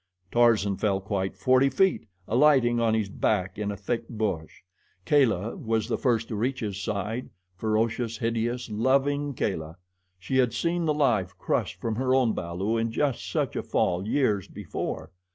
Tarzan fell quite forty feet, alighting on his back in a thick bush. Kala was the first to reach his side ferocious, hideous, loving Kala. She had seen the life crushed from her own balu in just such a fall years before.